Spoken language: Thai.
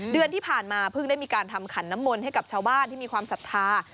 เดือนที่ผ่านมาเพิ่งได้มีการทำขันน้ำมนต์ให้กับชาวบ้านที่มีความศรัทธา